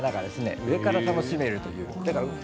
上から楽しめる花です。